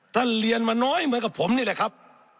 เรียนมาน้อยเหมือนกับผมนี่แหละครับ